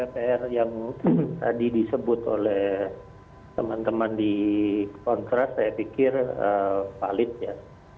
pr yang tadi disebut oleh teman teman di kontras saya pikir valid ya